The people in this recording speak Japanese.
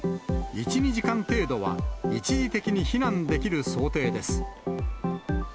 １、２時間程度は、一時的に避難できる想定です。